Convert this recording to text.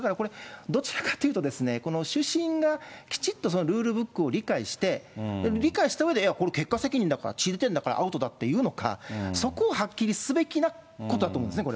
どちらかっていうとですね、この主審がきちっとルールブックを理解して、理解したうえで、これ、結果責任だから、だからアウトだっていうのか、そこをはっきりすべきなことだと思うんですね。